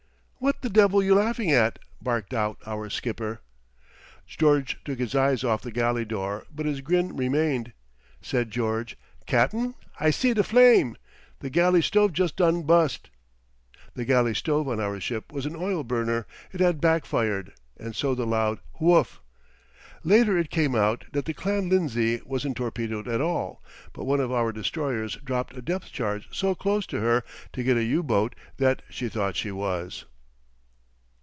"What the devil you laughing at?" barked out our skipper. George took his eyes off the galley door, but his grin remained. Said George: "Cap'n, I see de flame. The galley stove just done bust!" The galley stove on our ship was an oil burner. It had back fired, and so the loud Woof! Later it came out that the Clan Lindsay wasn't torpedoed at all; but one of our destroyers dropped a depth charge so close to her to get a U boat that she thought she was.